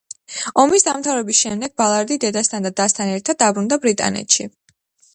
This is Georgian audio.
ომის დამთავრების შემდეგ, ბალარდი დედასთან და დასთან ერთად დაბრუნდა ბრიტანეთში.